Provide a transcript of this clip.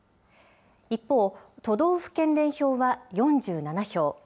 一方、都道府県連票は４７票。